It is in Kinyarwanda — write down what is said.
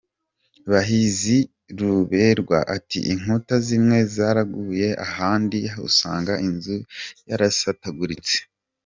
Bahizi Ruberwa ati ʺInkuta zimwe zaraguye, ahandi usanga inzu yarasataguritse.